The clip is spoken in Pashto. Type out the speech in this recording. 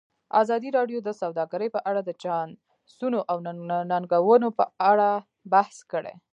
ازادي راډیو د سوداګري په اړه د چانسونو او ننګونو په اړه بحث کړی.